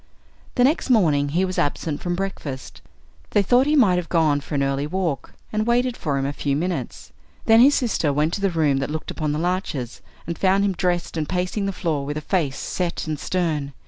The next morning he was absent from breakfast. They thought he might have gone for an early walk, and waited for him a few minutes. Then his sister went to the room that looked upon the larches, and found him dressed and pacing the floor with a face set and stern.